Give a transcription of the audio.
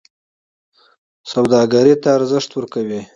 سوداګرۍ ته ارزښت ورکوي.